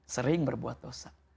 sering berbuat dosa